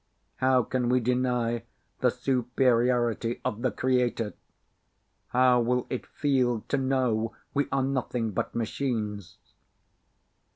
How can we deny the superiority of the Creator? How will it feel to know we are nothing but machines?